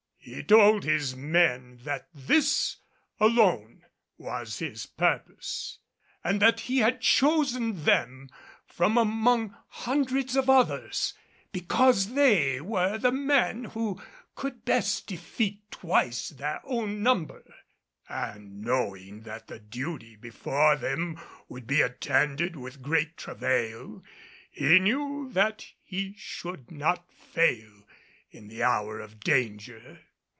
He told his men that this alone was his purpose, and that he had chosen them from among hundreds of others because they were the men who could best defeat twice their own number. And knowing that the duty before them would be attended with great travail he knew that he should not fail in the hour of danger.